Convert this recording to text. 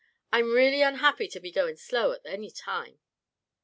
I'm really unhappy to be going slow at any time."